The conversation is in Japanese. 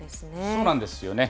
そうなんですよね。